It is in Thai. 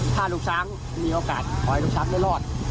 ถ้าลูกช้างมีโอกาสขอให้ลูกช้างได้รอด